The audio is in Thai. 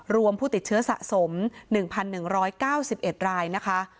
ผู้ติดเชื้อสะสม๑๑๙๑รายนะคะ